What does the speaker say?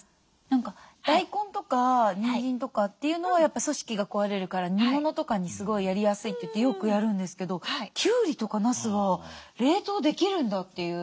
何か大根とかにんじんとかっていうのはやっぱ組織が壊れるから煮物とかにすごいやりやすいといってよくやるんですけどきゅうりとかなすを冷凍できるんだっていう。